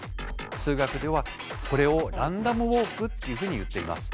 数学ではこれをランダムウォークっていうふうにいっています。